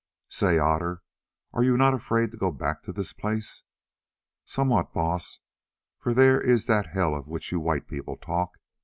"Say, Otter, are you not afraid of going back to this place?" "Somewhat, Baas, for there is that hell of which you white people talk.